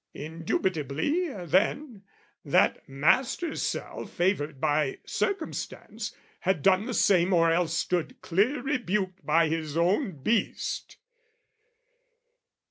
Indubitably, then, that master's self Favoured by circumstance, had done the same Or else stood clear rebuked by his own beast.